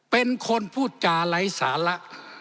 เป็นคนพูดจาไร้สาระ